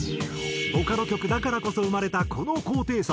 ボカロ曲だからこそ生まれたこの高低差。